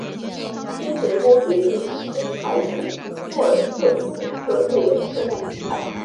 经评估决定以婴孩式霍尔特牵引车作为车辆底盘。